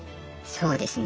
そうですね。